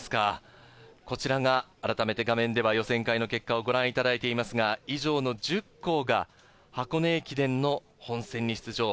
こちらが改めて画面では予選会の結果をご覧いただいていますが、以上の１０校が箱根駅伝の本戦に出場。